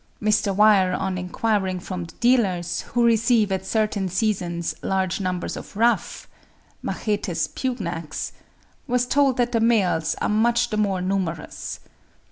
Mr. Weir on enquiring from the dealers, who receive at certain seasons large numbers of ruffs (Machetes pugnax), was told that the males are much the more numerous.